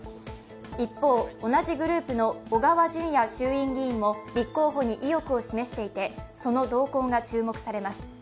一方、同じグループの小川淳也衆院議員も立候補に意欲を示していてその動向が注目されます。